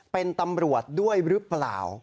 เป็นตำรวจด้วยหรือเปล่า